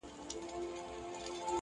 فخر په پلار او په نیکونو کوي!.